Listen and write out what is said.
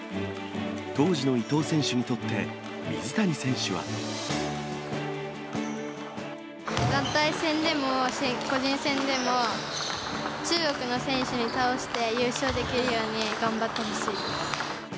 当時の伊藤選手にとって、団体戦でも個人戦でも、中国の選手を倒して、優勝できるように頑張ってほしいです。